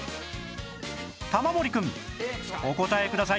玉森くんお答えください